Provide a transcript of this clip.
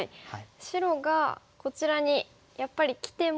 白がこちらにやっぱりきても。